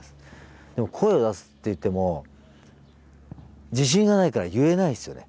でも声を出すっていっても自信がないから言えないんですよね。